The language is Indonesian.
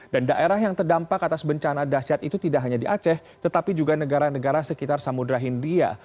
dan daerah yang terdampak atas bencana dasyat itu tidak hanya di aceh tetapi juga negara negara sekitar samudera india